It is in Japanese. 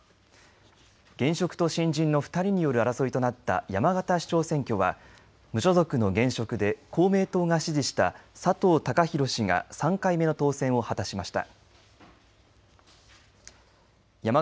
現職と新人の２人による争いとなった山形市長選挙は無所属の現職で公明党が支持した佐藤孝弘氏が３回目の当選を果たしました。